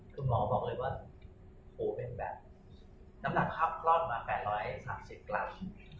คือหมอบอกเลยว่าโหเป็นแบบน้ำหนักภาพคลอดมา๘๓๐กรัม